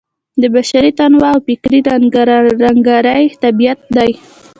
د بشري تنوع او فکري رنګارنګۍ طبیعت دی.